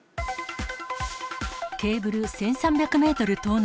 ケーブル１３００メートル盗難。